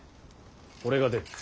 俺が出る。